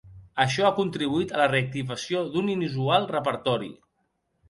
Això ha contribuït a la reactivació d'un inusual repertori.